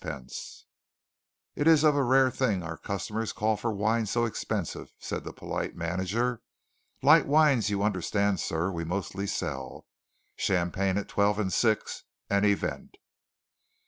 _ "It is of a rare thing our customers call for wine so expensive," said the polite manager. "Light wines, you understand, sir, we mostly sell. Champagne at twelve and six an event!"